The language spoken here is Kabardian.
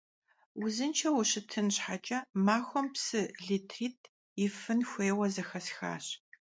Vuzınşşeu şıtın şheç'e maxuem psı litrit' yifın xuêyue zexesxaş.